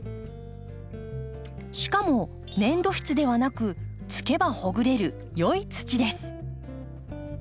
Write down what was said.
しかも粘土質ではなく突けばほぐれる良い土です。